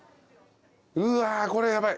うわこれヤバい。